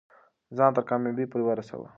ځان تر کامیابۍ پورې ورسوه.